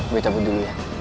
gue tabut dulu ya